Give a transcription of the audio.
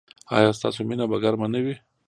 ایا ستاسو مینه به ګرمه نه وي؟